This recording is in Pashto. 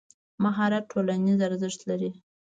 مهارت ټولنیز ارزښت لري.